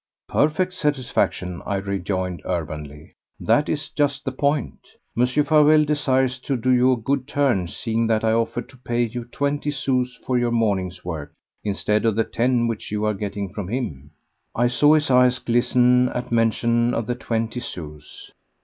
"Perfect satisfaction," I rejoined urbanely; "that is just the point. Mr. Farewell desires to do you a good turn seeing that I offered to pay you twenty sous for your morning's work instead of the ten which you are getting from him." I saw his eyes glisten at mention of the twenty sous.